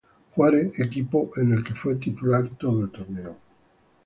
Juárez, equipo en el que fue titular todo el torneo.